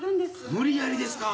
無理やりですか。